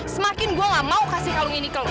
semakin gue nggak mau kasih kalung ini ke lo